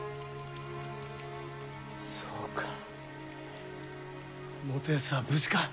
そうか元康は無事か。